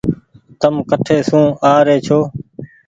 تم ڪٺي سون آ ري ڇو۔